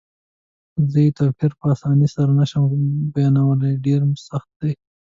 زه یې توپیر په اسانۍ سره نه شم بیانولای، ډېر سخت دی.